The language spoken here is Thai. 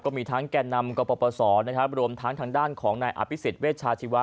ก็มีทั้งแก่นนำกับประสอบรวมทั้งทางด้านของนายอภิษฐ์เวชาชีวา